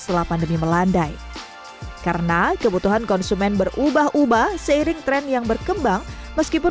setelah pandemi melandai karena kebutuhan konsumen berubah ubah seiring tren yang berkembang meskipun